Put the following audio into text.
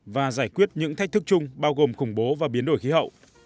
và giải quyết những thách thức chung bao gồm khủng bố và biến đổi khí hậu